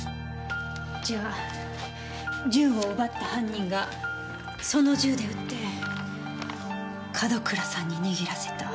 じゃあ銃を奪った犯人がその銃で撃って門倉さんに握らせた。